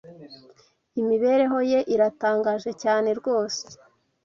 "Imibereho ye iratangaje cyane rwose